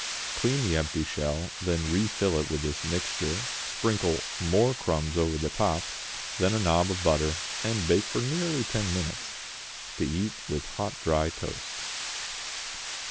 Clean the empty shell, then refill it with this mixture, sprinkle more crumbs over the top, then a nob of butter, and bake for nearly ten minutes. To eat with hot dry toast.